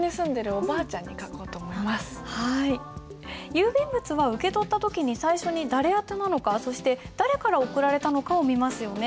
郵便物は受け取った時に最初に誰宛てなのかそして誰から送られたのかを見ますよね。